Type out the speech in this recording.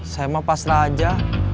saya mah pasrah aja